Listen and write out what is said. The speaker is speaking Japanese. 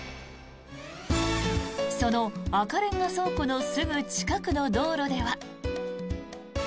その赤レンガ倉庫のすぐ近くの道路では。